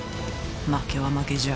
負けは負けじゃ。